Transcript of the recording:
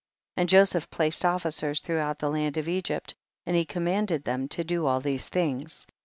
36. And Joseph placed officers throughout the land of Egypt, and he commanded them to do all these things.